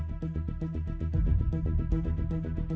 ตามมาจากความเผื่อหย่า